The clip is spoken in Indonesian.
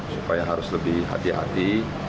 supaya harus lebih hati hati